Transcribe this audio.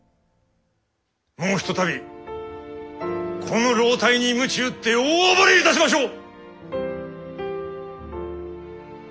もう一たびこの老体にむち打って大暴れいたしましょう！